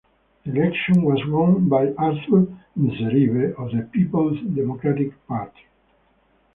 The election was won by Arthur Nzeribe of the Peoples Democratic Party.